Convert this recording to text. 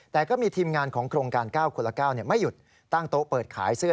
แต่ก็มีทีมงานของโครงการ๙คนละ๙ไม่หยุดตั้งโต๊ะเปิดขายเสื้อ